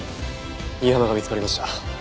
新浜が見つかりました。